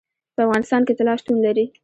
په افغانستان کې طلا شتون لري.